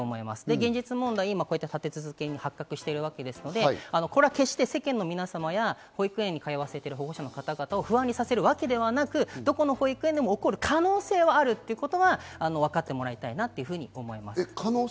現実に立て続けに発覚しているわけですので、決して世間の皆様や保育園に通わせている保護者の方々を不安にさせるわけではなく、どこの保育園でも起こる可能性はあるということはわかってもらいたいと思います。